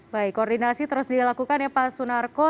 baik koordinasi terus dilakukan ya pak sunarko